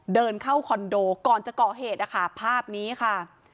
เดินเข้าคอนโดก่อนจะก่อเหตุนะคะภาพนี้ค่ะ